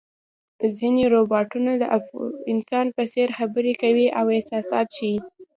ځینې روباټونه د انسان په څېر خبرې کوي او احساسات ښيي.